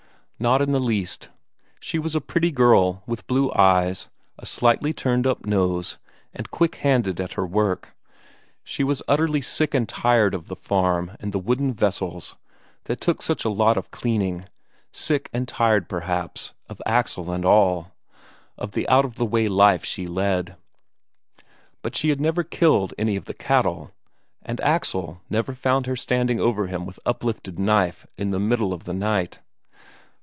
Not in the least. She was a pretty girl, with blue eyes, a slightly turned up nose, and quick handed at her work. She was utterly sick and tired of the farm and the wooden vessels, that took such a lot of cleaning; sick and tired, perhaps, of Axel and all, of the out of the way life she led. But she never killed any of the cattle, and Axel never found her standing over him with uplifted knife in the middle of the night.